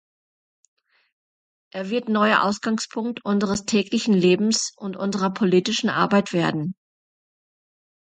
Er wird neuer Ausgangspunkt unseres täglichen Lebens und unserer politischen Arbeit werden.